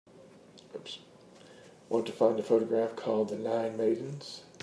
Want to find a photograph called The Nine Maidens